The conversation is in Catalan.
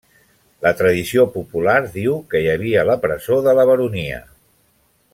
La tradició popular diu que hi havia la presó de la baronia.